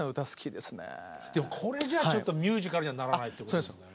でもこれじゃちょっとミュージカルにはならないってことですよね。